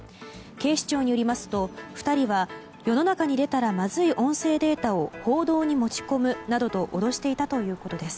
警視庁によりますと２人は世の中に出たらまずい音声データを報道に持ち込むなどと脅していたということです。